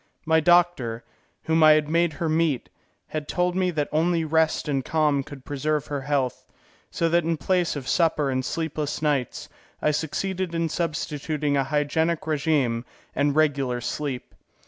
My doctor, whom I had made her meet, had told me that only rest and calm could preserve her health, so that in place of supper and sleepless nights, I succeeded in substituting a hygienic regime and regular sleep.